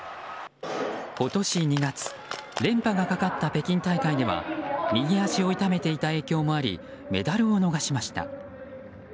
今年２月、連覇がかかった北京大会では右足を痛めていた影響もありメダルを逃しました。